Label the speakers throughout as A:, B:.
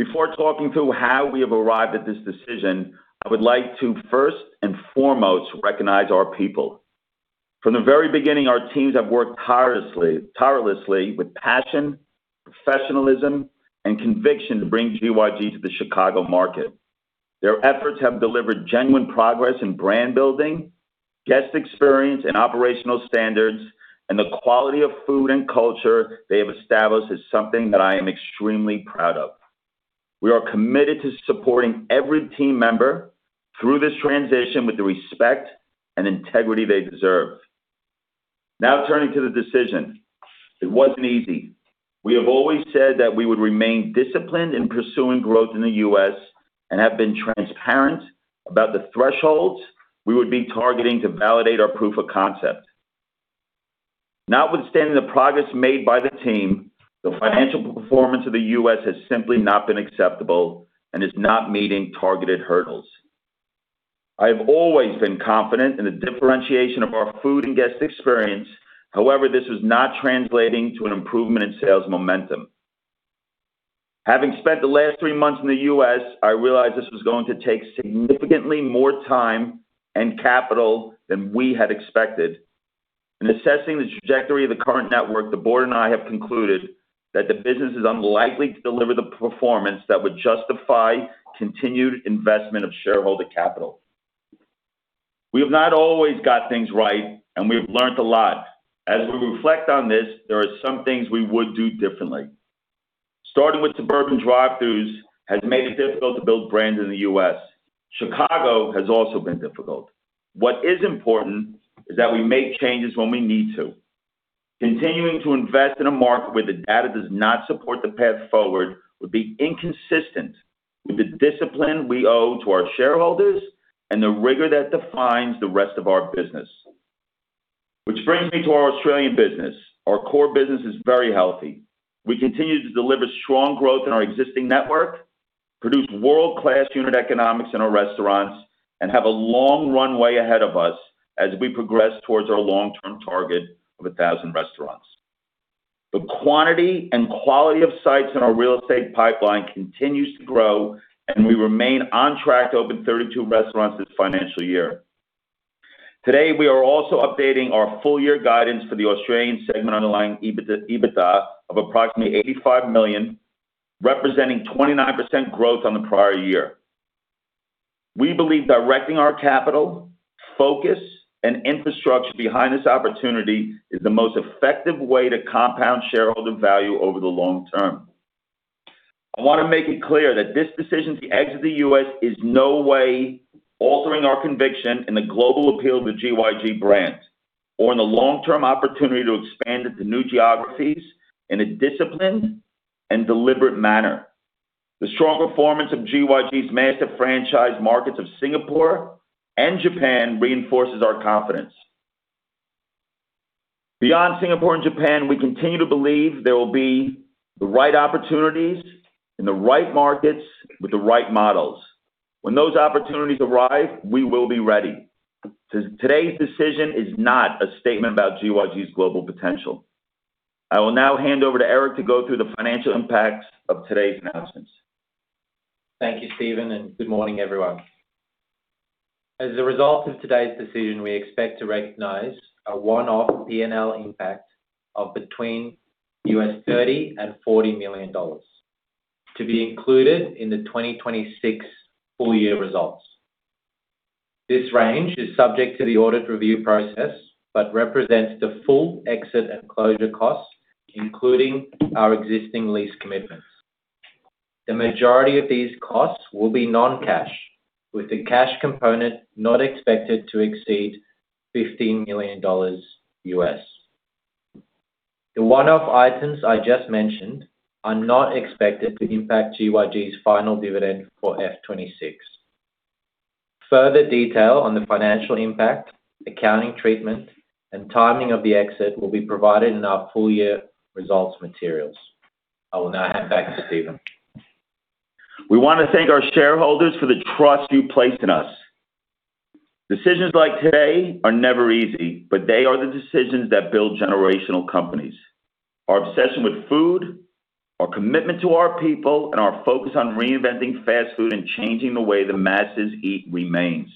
A: Before talking through how we have arrived at this decision, I would like to first and foremost recognize our people. From the very beginning, our teams have worked tirelessly with passion, professionalism, and conviction to bring GYG to the Chicago market. Their efforts have delivered genuine progress in brand building, guest experience, and operational standards, and the quality of food and culture they have established is something that I am extremely proud of. We are committed to supporting every team member through this transition with the respect and integrity they deserve. Turning to the decision. It wasn't easy. We have always said that we would remain disciplined in pursuing growth in the U.S. and have been transparent about the thresholds we would be targeting to validate our proof of concept. Notwithstanding the progress made by the team, the financial performance of the U.S. has simply not been acceptable and is not meeting targeted hurdles. I have always been confident in the differentiation of our food and guest experience. This is not translating to an improvement in sales momentum. Having spent the last three months in the U.S., I realized this was going to take significantly more time and capital than we had expected. In assessing the trajectory of the current network, the board and I have concluded that the business is unlikely to deliver the performance that would justify continued investment of shareholder capital. We have not always got things right, and we've learned a lot. As we reflect on this, there are some things we would do differently. Starting with suburban drive-throughs has made it difficult to build brand in the U.S. Chicago has also been difficult. What is important is that we make changes when we need to. Continuing to invest in a market where the data does not support the path forward would be inconsistent with the discipline we owe to our shareholders and the rigor that defines the rest of our business. Which brings me to our Australian business. Our core business is very healthy. We continue to deliver strong growth in our existing network, produce world-class unit economics in our restaurants, and have a long runway ahead of us as we progress towards our long-term target of 1,000 restaurants. The quantity and quality of sites in our real estate pipeline continues to grow, and we remain on track to open 32 restaurants this financial year. Today, we are also updating our full year guidance for the Australian segment underlying EBITDA of approximately 85 million, representing 29% growth on the prior year. We believe directing our capital, focus, and infrastructure behind this opportunity is the most effective way to compound shareholder value over the long term. I want to make it clear that this decision to exit the U.S. is no way altering our conviction in the global appeal of the GYG brand or in the long-term opportunity to expand into new geographies in a disciplined and deliberate manner. The strong performance of GYG's master franchise markets of Singapore and Japan reinforces our confidence. Beyond Singapore and Japan, we continue to believe there will be the right opportunities in the right markets with the right models. When those opportunities arrive, we will be ready. Today's decision is not a statement about GYG's global potential. I will now hand over to Erik to go through the financial impacts of today's announcements.
B: Thank you, Steven. Good morning, everyone. As a result of today's decision, we expect to recognize a one-off P&L impact of between U.S. $30 and $40 million, to be included in the 2026 full-year results. This range is subject to the audit review process but represents the full exit and closure costs, including our existing lease commitments. The majority of these costs will be non-cash, with the cash component not expected to exceed $15 million. The one-off items I just mentioned are not expected to impact GYG's final dividend for FY 2026. Further detail on the financial impact, accounting treatment, and timing of the exit will be provided in our full-year results materials. I will now hand back to Steven.
A: We want to thank our shareholders for the trust you placed in us. Decisions like today are never easy, but they are the decisions that build generational companies. Our obsession with food, our commitment to our people, and our focus on reinventing fast food and changing the way the masses eat remains.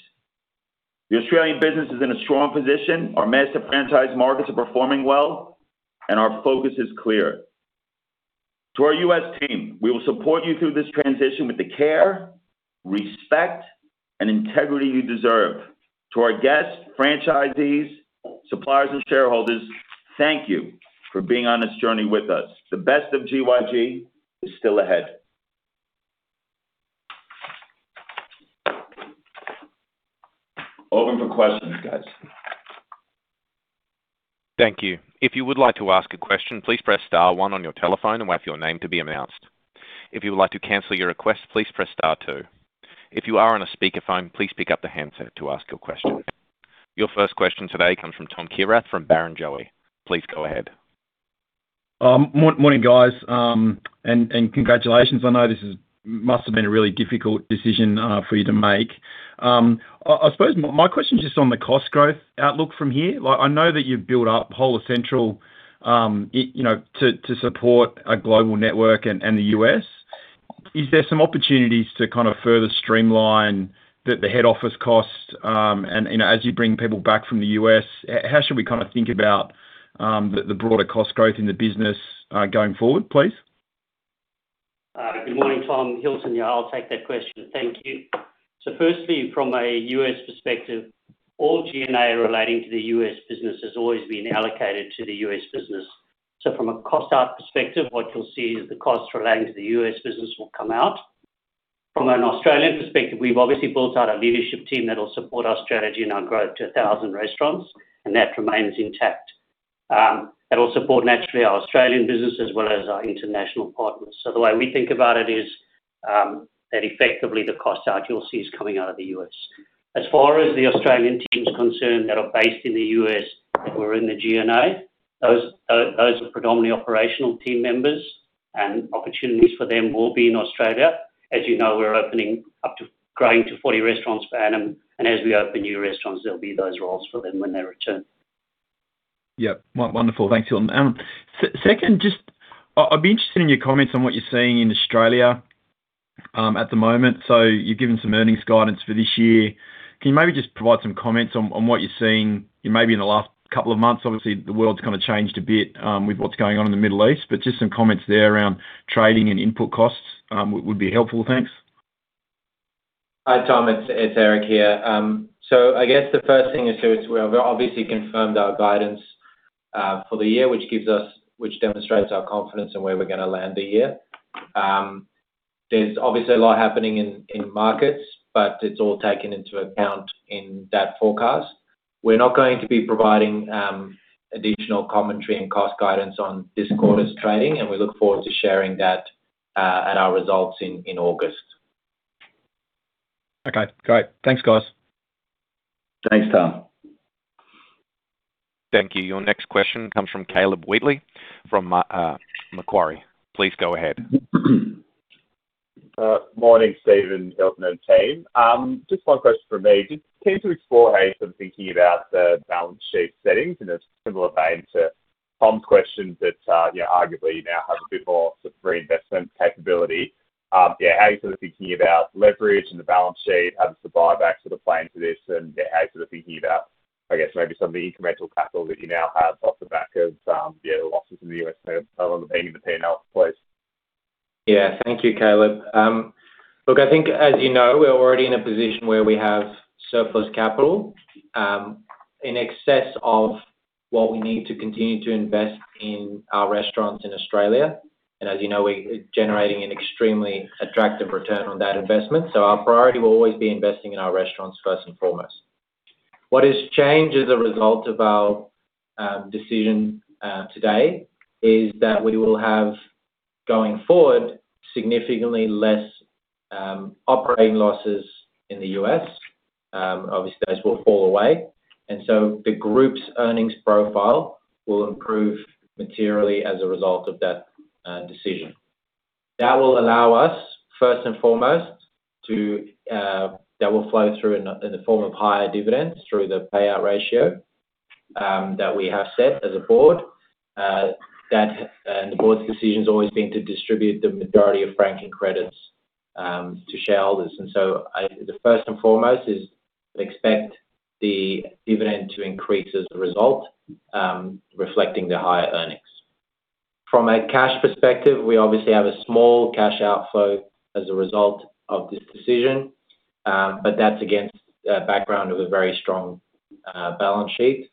A: The Australian business is in a strong position. Our master franchise markets are performing well, and our focus is clear. To our U.S. team, we will support you through this transition with the care, respect, and integrity you deserve. To our guests, franchisees, suppliers, and shareholders, thank you for being on this journey with us. The best of GYG is still ahead. Open for questions, guys.
C: Thank you. Your first question today comes from Tom Kierath from Barrenjoey. Please go ahead.
D: Morning, guys, and congratulations. I know this must have been a really difficult decision for you to make. I suppose my question is just on the cost growth outlook from here. I know that you've built up Hola Central to support a global network and the U.S., is there some opportunities to further streamline the head office costs? As you bring people back from the U.S., how should we think about the broader cost growth in the business going forward, please?
E: Good morning, Tom. Hilton here. I'll take that question. Thank you. Firstly, from a U.S. perspective, all G&A relating to the U.S. business has always been allocated to the U.S. business. From a cost out perspective, what you'll see is the cost relating to the U.S. business will come out. From an Australian perspective, we've obviously built out a leadership team that will support our strategy and our growth to 1,000 restaurants, and that remains intact. It will support naturally our Australian business as well as our international partners. The way we think about it is that effectively the cost out you'll see is coming out of the U.S. As far as the Australian team's concerned that are based in the U.S. that were in the G&A, those are predominantly operational team members and opportunities for them will be in Australia. As you know, we're opening up to growing to 40 restaurants per annum, and as we open new restaurants, there'll be those roles for them when they return.
D: Yep. Wonderful. Thanks, Hilton. Second, just I'd be interested in your comments on what you're seeing in Australia at the moment. You've given some earnings guidance for this year. Can you maybe just provide some comments on what you're seeing maybe in the last couple of months? Obviously, the world's kind of changed a bit with what's going on in the Middle East, but just some comments there around trading and input costs would be helpful. Thanks.
B: Hi, Tom. It's Erik here. I guess the first thing is, too, is we've obviously confirmed our guidance for the year, which demonstrates our confidence in where we're going to land the year. There's obviously a lot happening in markets, but it's all taken into account in that forecast. We're not going to be providing additional commentary and cost guidance on this quarter's trading, and we look forward to sharing that and our results in August.
D: Okay, great. Thanks, guys.
B: Thanks, Tom.
C: Thank you. Your next question comes from Caleb Wheatley from Macquarie. Please go ahead.
F: Morning, Steve and Hilton and team. Just one question from me. Just keen to explore how you're thinking about the balance sheet settings in a similar vein to Tom's question that arguably you now have a bit more sort of reinvestment capability. Yeah, how are you thinking about leverage and the balance sheet? How does the buyback play into this? Yeah, how you are thinking about maybe some of the incremental capital that you now have off the back of the losses in the U.S. on the P&L, please.
B: Thank you, Caleb. Look, I think as you know, we're already in a position where we have surplus capital in excess of what we need to continue to invest in our restaurants in Australia. As you know, we're generating an extremely attractive return on that investment. Our priority will always be investing in our restaurants first and foremost. What has changed as a result of our decision today is that we will have, going forward, significantly less operating losses in the U.S. Obviously, those will fall away. The group's earnings profile will improve materially as a result of that decision. That will allow us, first and foremost, that will flow through in the form of higher dividends through the payout ratio that we have set as a board. The board's decision's always been to distribute the majority of franking credits to shareholders. The first and foremost is expect the dividend to increase as a result, reflecting the higher earnings. From a cash perspective, we obviously have a small cash outflow as a result of this decision. That's against a background of a very strong balance sheet.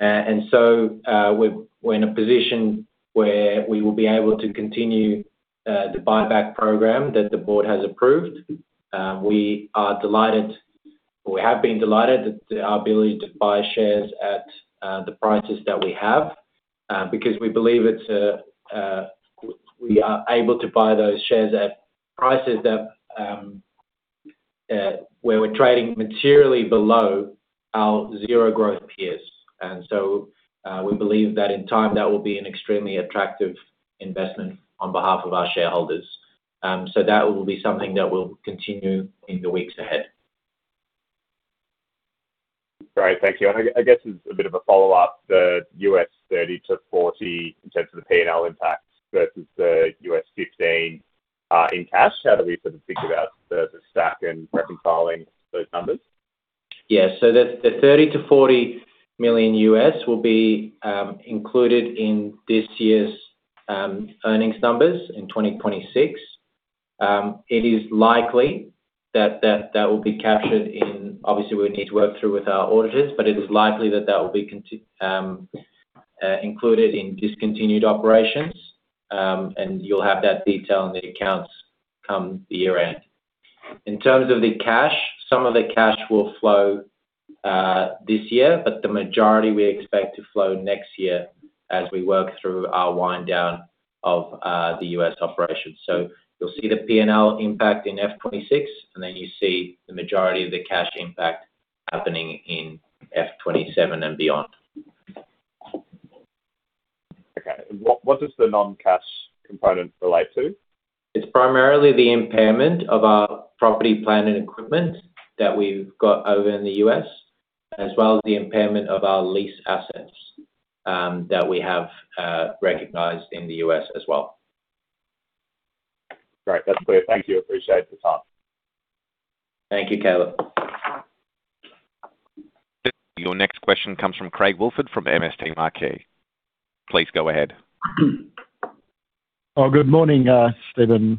B: We're in a position where we will be able to continue the buyback program that the board has approved. We have been delighted at our ability to buy shares at the prices that we have because we believe we are able to buy those shares at prices where we're trading materially below our zero growth peers. We believe that in time that will be an extremely attractive investment on behalf of our shareholders. That will be something that will continue in the weeks ahead.
F: Great. Thank you. I guess as a bit of a follow-up, the $30-$40 in terms of the P&L impact versus the $15 in cash, how do we think about the stack and reconciling those numbers?
B: The $30 million-$40 million U.S. will be included in this year's earnings numbers in 2026. It is likely that that will be captured obviously we would need to work through with our auditors, it is likely that that will be included in discontinued operations. You'll have that detail in the accounts come the year-end. In terms of the cash, some of the cash will flow this year, the majority we expect to flow next year as we work through our wind down of the U.S. operations. You'll see the P&L impact in F26, you see the majority of the cash impact happening in F27 and beyond.
F: Okay. What does the non-cash component relate to?
B: It's primarily the impairment of our property, plant and equipment that we've got over in the U.S., as well as the impairment of our lease assets that we have recognized in the U.S. as well.
F: Great. That's clear. Thank you. Appreciate the time.
B: Thank you, Caleb.
C: Your next question comes from Craig Woolford from MST Financial. Please go ahead.
G: Good morning, Steven,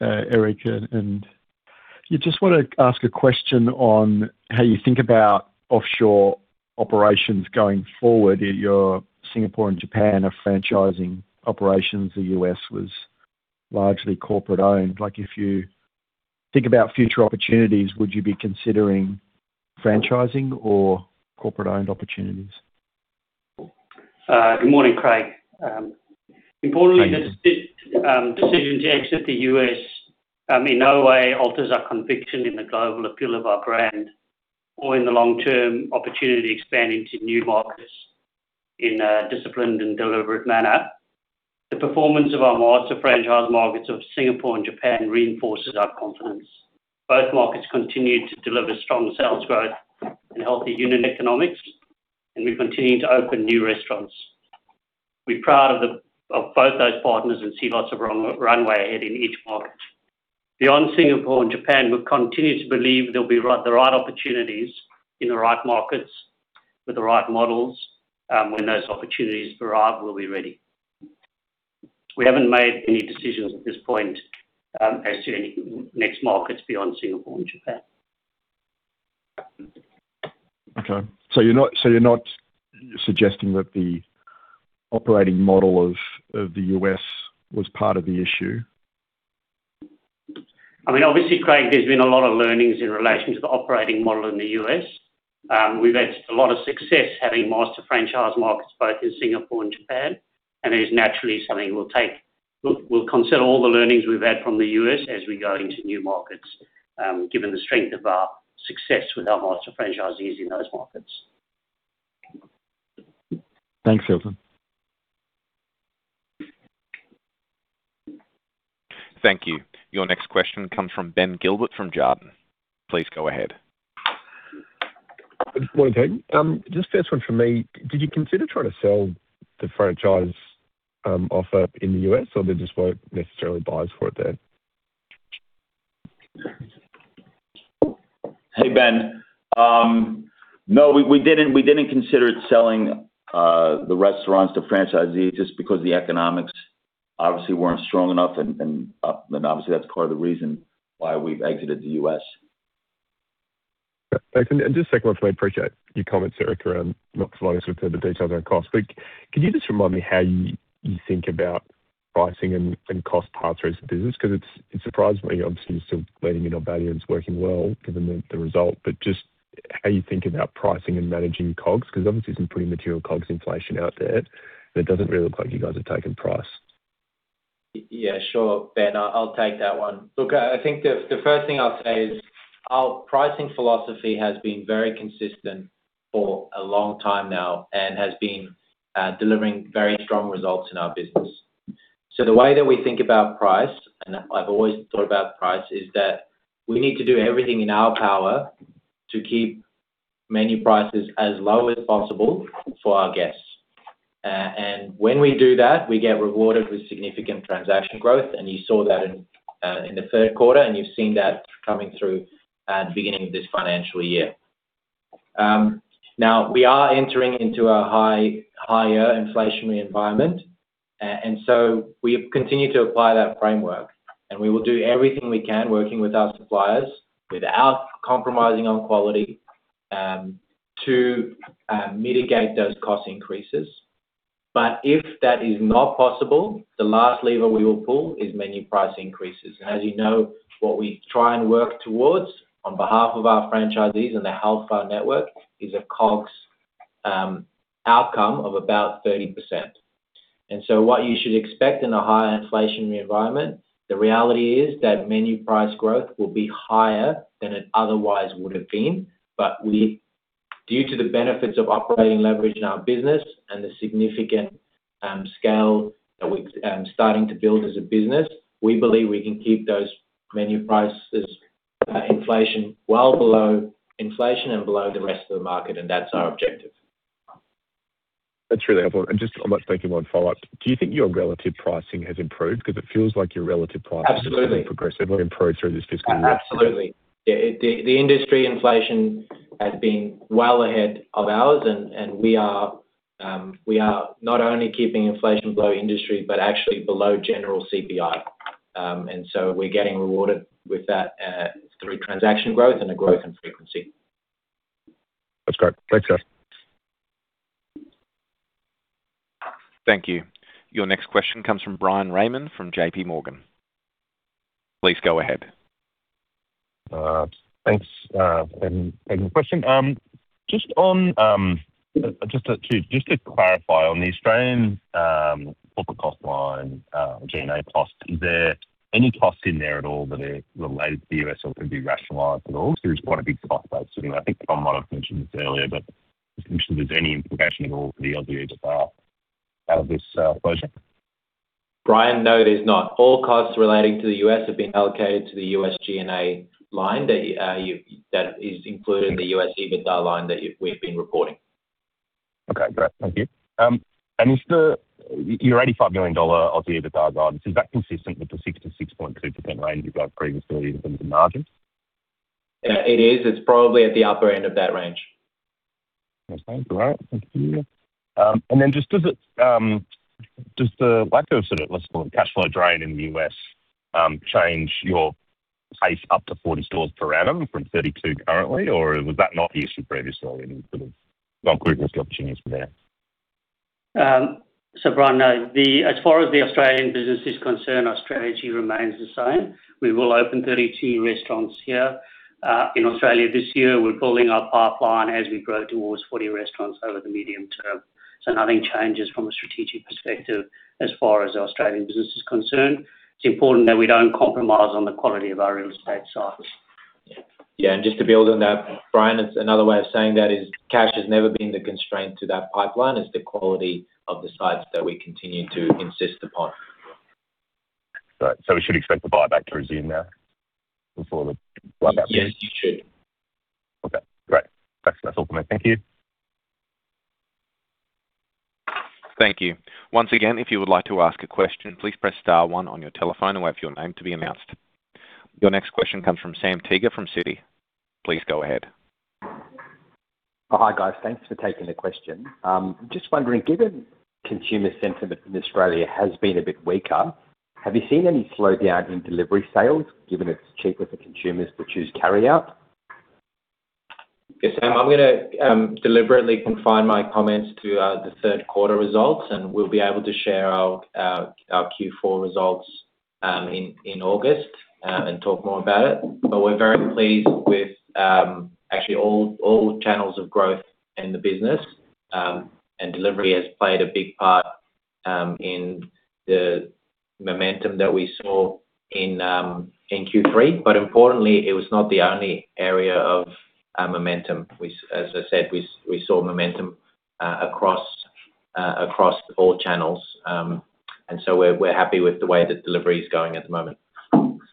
G: Erik. I just want to ask a question on how you think about offshore operations going forward. Your Singapore and Japan are franchising operations. The U.S. was largely corporate-owned. If you think about future opportunities, would you be considering franchising or corporate-owned opportunities?
E: Good morning, Craig.
G: Thank you.
E: The decision to exit the U.S. in no way alters our conviction in the global appeal of our brand or in the long-term opportunity expanding to new markets in a disciplined and deliberate manner. The performance of our master franchise markets of Singapore and Japan reinforces our confidence. Both markets continue to deliver strong sales growth and healthy unit economics, and we continue to open new restaurants. We're proud of both those partners and see lots of runway ahead in each market. Beyond Singapore and Japan, we continue to believe there'll be the right opportunities in the right markets with the right models. When those opportunities arrive, we'll be ready. We haven't made any decisions at this point as to any next markets beyond Singapore and Japan.
G: Okay. you're not suggesting that the operating model of the U.S. was part of the issue?
E: Craig, there's been a lot of learnings in relation to the operating model in the U.S. We've had a lot of success having master franchise markets both in Singapore and Japan, and that is naturally something we'll take. Look, we'll consider all the learnings we've had from the U.S. as we go into new markets, given the strength of our success with our master franchisees in those markets.
G: Thanks, Hilton.
C: Thank you. Your next question comes from Ben Gilbert from Jarden.
H: Good morning to you. Just first one from me, did you consider trying to sell the franchise offer in the U.S., or there just weren't necessarily buyers for it there?
A: Hey, Ben. No, we didn't consider selling the restaurants to franchisees just because the economics obviously weren't strong enough, and obviously that's part of the reason why we've exited the U.S.
H: Thanks. Just second one for you. I appreciate your comments, Erik, around not flying us with the details around cost. Could you just remind me how you think about pricing and cost parts of the business? It surprised me. Obviously, you're still leaning in on value and it's working well given the result, but just how you think about pricing and managing COGS, because obviously there's some pretty material COGS inflation out there, but it doesn't really look like you guys have taken price.
B: Sure, Ben. I'll take that one. I think the first thing I'll say is our pricing philosophy has been very consistent for a long time now and has been delivering very strong results in our business. The way that we think about price, and I've always thought about price, is that we need to do everything in our power to keep menu prices as low as possible for our guests. When we do that, we get rewarded with significant transaction growth, and you saw that in the third quarter, and you've seen that coming through at the beginning of this financial year. We are entering into a higher inflationary environment. We have continued to apply that framework, and we will do everything we can, working with our suppliers, without compromising on quality, to mitigate those cost increases. If that is not possible, the last lever we will pull is menu price increases. As you know, what we try and work towards on behalf of our franchisees and the health bar network is a COGS outcome of about 30%. What you should expect in a higher inflationary environment, the reality is that menu price growth will be higher than it otherwise would have been. Due to the benefits of operating leverage in our business and the significant scale that we're starting to build as a business, we believe we can keep those menu prices inflation well below inflation and below the rest of the market, and that's our objective.
H: That's really helpful. Just one follow-up. Do you think your relative pricing has improved? It feels like your relative pricing.
B: Absolutely
H: has progressively improved through this fiscal year.
B: Absolutely. The industry inflation has been well ahead of ours, and we are not only keeping inflation below industry, but actually below general CPI. We're getting rewarded with that through transaction growth and a growth in frequency.
H: That's great. Thanks, guys.
C: Thank you. Your next question comes from Bryan Raymond from JPMorgan. Please go ahead.
I: Thanks. Good question. Just to clarify on the Australian corporate cost line, G&A cost, is there any costs in there at all that are related to the U.S. or could be rationalized at all? There is quite a big cost base sitting there. I think Tom might have mentioned this earlier, but just making sure there's any implication at all for the LDU that are out of this closure.
B: Bryan, no, it is not. All costs relating to the U.S. have been allocated to the U.S. G&A line that is included in the U.S. EBITDA line that we've been reporting.
I: Okay, great. Thank you. Is your 85 million Aussie dollars of EBITDA guidance, is that consistent with the 66.2% range you gave previously in terms of margins?
B: It is. It's probably at the upper end of that range.
I: Okay. All right. Thank you. Just does the lack of, let's call it, cash flow drain in the U.S., change your pace up to 40 stores per annum from 32 currently? Was that not the issue previously in sort of growth opportunities there?
E: Bryan, no. As far as the Australian business is concerned, our strategy remains the same. We will open 32 restaurants here, in Australia this year. We're building our pipeline as we grow towards 40 restaurants over the medium term. Nothing changes from a strategic perspective as far as the Australian business is concerned. It's important that we don't compromise on the quality of our real estate sites.
B: Yeah. Just to build on that, Bryan, it's another way of saying that is cash has never been the constraint to that pipeline. It's the quality of the sites that we continue to insist upon.
I: Right. We should expect the buyback to resume now.
B: Yes, you should.
I: Okay, great. That's all from me. Thank you.
C: Thank you. Once again, if you would like to ask a question, please press star one on your telephone and wait for your name to be announced. Your next question comes from Sam Teeger from Citi. Please go ahead.
J: Hi, guys. Thanks for taking the question. Just wondering, given consumer sentiment in Australia has been a bit weaker, have you seen any slowdown in delivery sales given it's cheaper for consumers to choose carryout?
B: Yeah, Sam, I'm gonna deliberately confine my comments to the third quarter results, and we'll be able to share our Q4 results in August, and talk more about it. We're very pleased with actually all channels of growth in the business. Delivery has played a big part in the momentum that we saw in Q3. Importantly, it was not the only area of momentum. As I said, we saw momentum across all channels. We're happy with the way that delivery is going at the moment.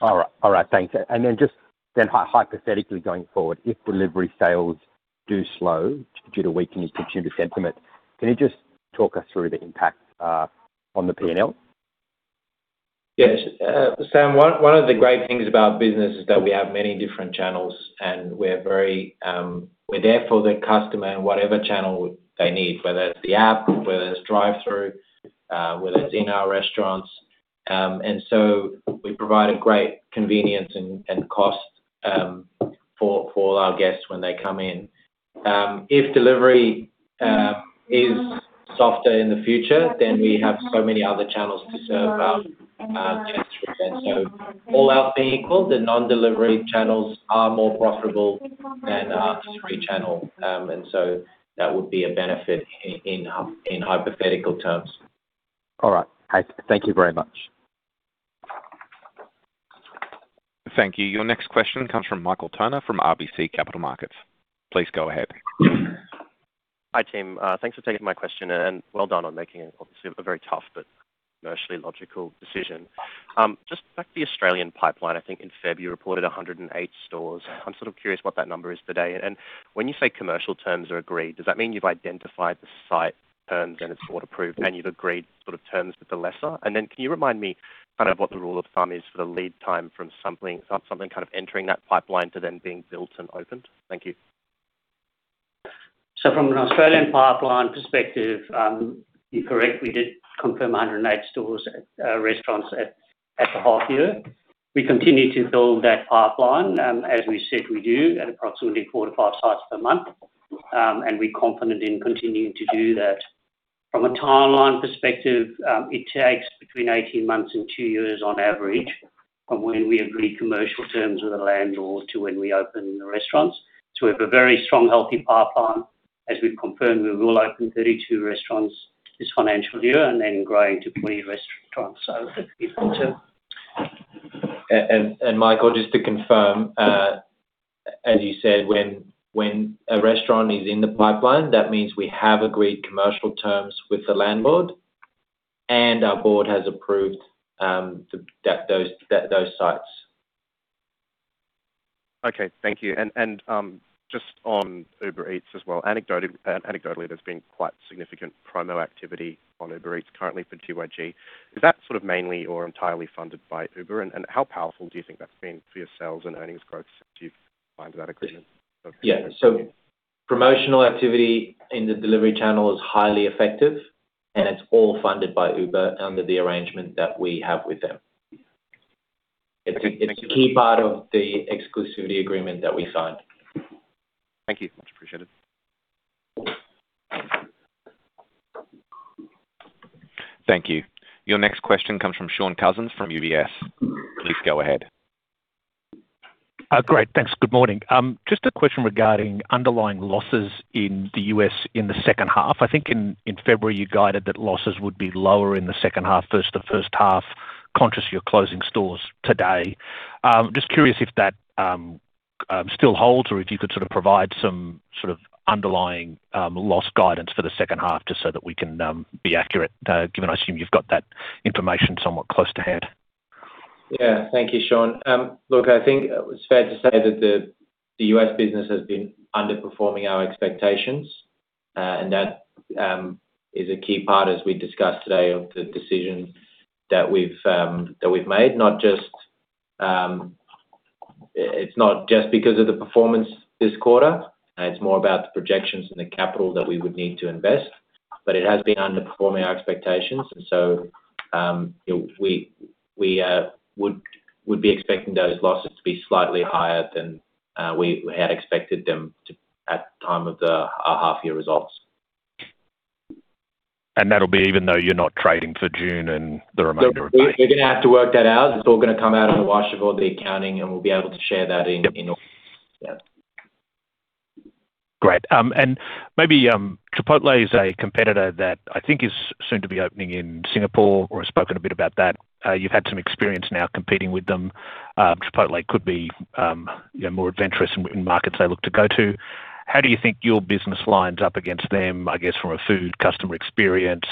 J: All right. Thanks. Just hypothetically going forward, if delivery sales do slow due to weakening consumer sentiment, can you just talk us through the impact on the P&L?
B: Yes. Sam, one of the great things about business is that we have many different channels and we're there for the customer in whatever channel they need, whether it's the app, whether it's drive-through, whether it's in our restaurants. We provide a great convenience and cost for all our guests when they come in. If delivery is softer in the future, then we have so many other channels to serve our guests with then. All else being equal, the non-delivery channels are more profitable than our delivery channel. That would be a benefit in hypothetical terms.
J: All right. Thanks. Thank you very much.
C: Thank you. Your next question comes from Michael Toner from RBC Capital Markets. Please go ahead.
K: Hi, team. Thanks for taking my question. Well done on making a obviously a very tough but commercially logical decision. Just back to the Australian pipeline. I think in February you reported 108 stores. I'm sort of curious what that number is today. When you say commercial terms are agreed, does that mean you've identified the site terms and it's board approved and you've agreed terms with the lessor? Can you remind me, kind of what the rule of thumb is for the lead time from something kind of entering that pipeline to then being built and opened? Thank you.
E: From an Australian pipeline perspective, you're correct, we did confirm 108 stores at restaurants at the half year. We continue to build that pipeline, as we said we do at approximately four to five sites per month. We're confident in continuing to do that. From a timeline perspective, it takes between 18 months and two years on average from when we agree commercial terms with the landlords to when we open the restaurants. We have a very strong, healthy pipeline. As we've confirmed, we will open 32 restaurants this financial year and then grow into 40 restaurants over the medium term.
B: Michael, just to confirm, as you said, when a restaurant is in the pipeline, that means we have agreed commercial terms with the landlord and our board has approved those sites.
K: Okay, thank you. Just on Uber Eats as well. Anecdotally, there's been quite significant promo activity on Uber Eats currently for GYG. Is that sort of mainly or entirely funded by Uber? How powerful do you think that's been for your sales and earnings growth since you've signed that agreement?
B: Yeah. Promotional activity in the delivery channel is highly effective, and it's all funded by Uber under the arrangement that we have with them.
K: Thank you.
B: It's a key part of the exclusivity agreement that we signed.
K: Thank you. Much appreciated.
C: Thank you. Your next question comes from Shaun Cousins from UBS. Please go ahead.
L: Great. Thanks. Good morning. A question regarding underlying losses in the U.S. in the second half. I think in February you guided that losses would be lower in the second half versus the first half. Conscious you're closing stores today. Curious if that still holds or if you could provide some sort of underlying loss guidance for the second half so that we can be accurate, given I assume you've got that information somewhat close to hand.
B: Thank you, Shaun. I think it's fair to say that the U.S. business has been underperforming our expectations, that is a key part, as we discussed today, of the decisions that we've made. It's not just because of the performance this quarter. It's more about the projections and the capital that we would need to invest. It has been underperforming our expectations. We would be expecting those losses to be slightly higher than we had expected them at the time of the half-year results.
L: That'll be even though you're not trading for June and the remainder of May?
B: We're going to have to work that out. It's all going to come out in the wash of all the accounting, and we'll be able to share that.
L: Yep
B: August. Yeah.
L: Great. Maybe, Chipotle is a competitor that I think is soon to be opening in Singapore or has spoken a bit about that. You've had some experience now competing with them. Chipotle could be more adventurous in markets they look to go to. How do you think your business lines up against them, I guess, from a food customer experience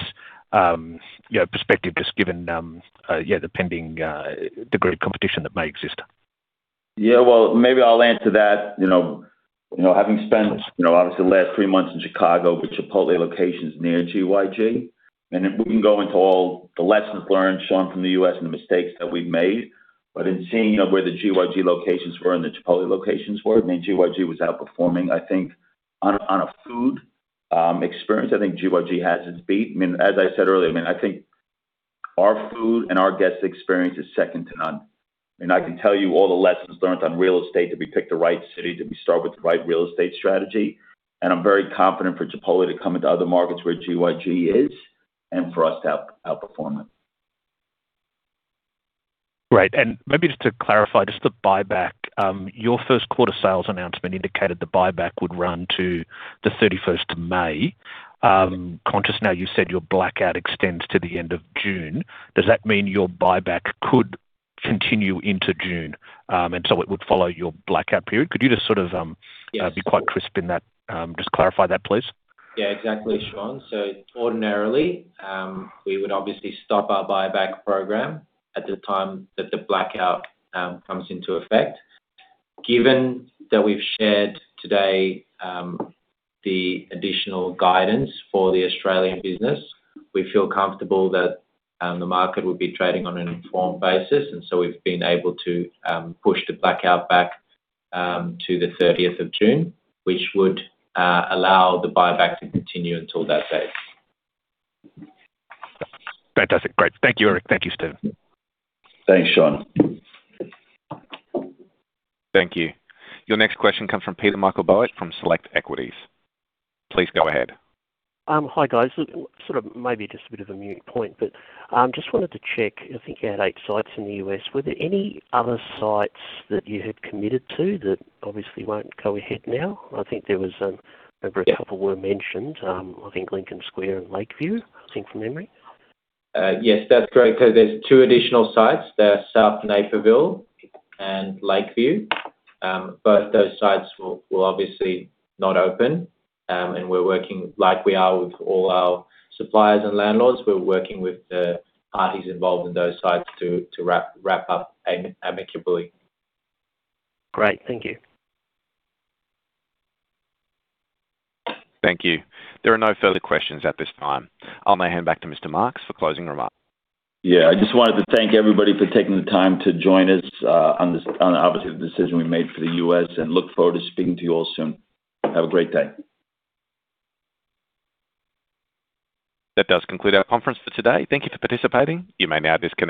L: perspective, just given the pending, the great competition that may exist?
A: Yeah, well, maybe I'll answer that. Having spent, obviously, the last three months in Chicago with Chipotle locations near GYG, and if we can go into all the lessons learned, Shaun, from the U.S. and the mistakes that we've made. In seeing where the GYG locations were and the Chipotle locations were, I mean, GYG was outperforming. I think on a food experience, I think GYG has it beat. As I said earlier, I think our food and our guest experience is second to none. I can tell you all the lessons learned on real estate. Did we pick the right city? Did we start with the right real estate strategy? I'm very confident for Chipotle to come into other markets where GYG is and for us to outperform it.
L: Great. Maybe just to clarify, just the buyback. Your first quarter sales announcement indicated the buyback would run to the 31st of May. Conscious now you said your blackout extends to the end of June. Does that mean your buyback could continue into June, and so it would follow your blackout period? Could you just sort of?
B: Yes, of course.
L: Be quite crisp in that, just clarify that, please.
B: Yeah, exactly, Shaun. Ordinarily, we would obviously stop our buyback program at the time that the blackout comes into effect. Given that we've shared today the additional guidance for the Australian business, we feel comfortable that the market would be trading on an informed basis, and so we've been able to push the blackout back to the 30th of June, which would allow the buyback to continue until that date.
L: Fantastic. Great. Thank you, Erik. Thank you, Steven.
A: Thanks, Shaun.
C: Thank you. Your next question comes from Peter Meichelboeck from Select Equities. Please go ahead.
M: Hi, guys. Sort of maybe just a bit of a moot point, but just wanted to check, I think you had eight sites in the U.S. Were there any other sites that you had committed to that obviously won't go ahead now? I think there was maybe a couple were mentioned. I think Lincoln Square and Lakeview, I think, from memory.
B: Yes, that's correct. There's two additional sites. There's South Naperville and Lakeview. Both those sites will obviously not open. We're working like we are with all our suppliers and landlords. We're working with the parties involved in those sites to wrap up amicably.
M: Great. Thank you.
C: Thank you. There are no further questions at this time. I'll now hand back to Mr. Marks for closing remarks.
A: I just wanted to thank everybody for taking the time to join us on obviously the decision we made for the U.S. and look forward to speaking to you all soon. Have a great day.
C: That does conclude our conference for today. Thank you for participating. You may now disconnect.